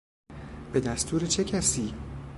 به دستور چه کسی؟